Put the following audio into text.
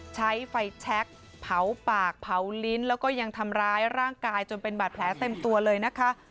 ใช้ไฟแชคเผาปากเผาลิ้นแล้วก็ยังทำร้ายร่างกายจนเป็นบาดแผลเต็มตัวเลยนะคะ